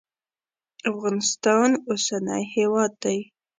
افغانستان اوسنی هیواد دی.